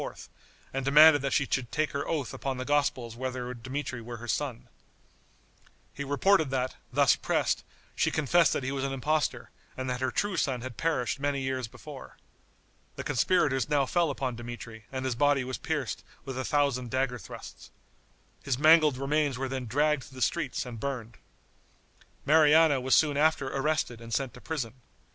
and demanded that she should take her oath upon the Gospels whether Dmitri were her son. He reported that, thus pressed, she confessed that he was an impostor, and that her true son had perished many years before. The conspirators now fell upon Dmitri and his body was pierced with a thousand dagger thrusts. His mangled remains were then dragged through the streets and burned. Mariana was soon after arrested and sent to prison.